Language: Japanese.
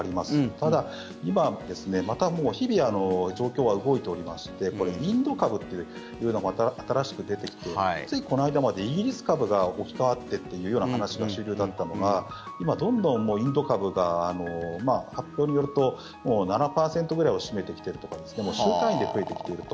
ただ、今また日々、状況は動いておりましてインド株というようなのがまた新しく出てきてついこの間までイギリス株が置き換わってというような話が主流だったのが今、どんどんインド株が発表によると７％くらいを占めてきているとか週単位で増えてきていると。